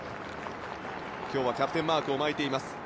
今日はキャプテンマークを巻いています。